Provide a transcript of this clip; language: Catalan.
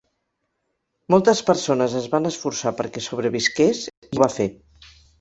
Moltes persones es van esforçar perquè sobrevisqués i ho va fer.